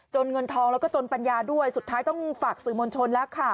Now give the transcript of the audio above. เงินทองแล้วก็จนปัญญาด้วยสุดท้ายต้องฝากสื่อมวลชนแล้วค่ะ